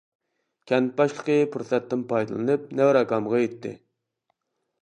كەنت باشلىقى پۇرسەتتىن پايدىلىنىپ نەۋرە ئاكامغا ئېيتتى.